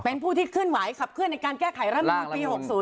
เป็นผู้ที่เคลื่อนไหวขับเคลื่อนในการแก้ไขรัฐมนุนปี๖๐